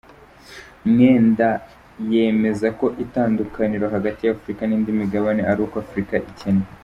Mwenda yemeza ko itandukaniro hagati ya Afurika n’indi migabane ari uko Afurika ikennye.